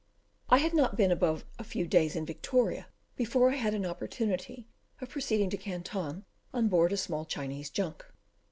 I had not been above a few days in Victoria before I had an opportunity of proceeding to Canton on board a small Chinese junk.